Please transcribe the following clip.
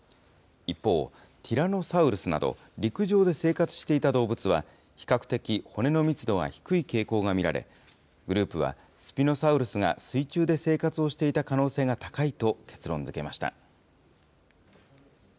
一方、ティラノサウルスなど、陸上で生活していた動物は、比較的、骨の密度が低い傾向が見られ、グループは、スピノサウルスが水中で生活をしていた可能性が高いと結論づけました。